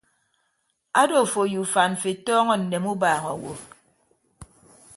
Ado afo ye ufan mfo etọọñọ nneme ubaaña awo.